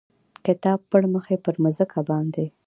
کتاب پړمخې پر مځکه باندې،